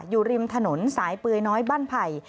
อยู่ริมถนนสายเปื่อยน้อยบ้านไผ่